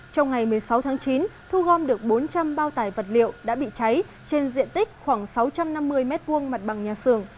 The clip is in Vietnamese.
trong ngày một mươi sáu tháng chín thu gom được bốn trăm linh bao tải vật liệu đã bị cháy trên diện tích khoảng sáu trăm năm mươi m hai mặt bằng nhà xưởng